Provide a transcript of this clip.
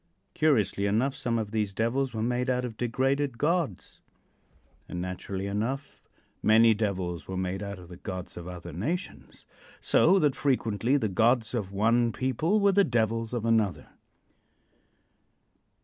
Curiously enough some of these devils were made out of degraded gods, and, naturally enough, many devils were made out of the gods of other nations. So that frequently the gods of one people were the devils of another.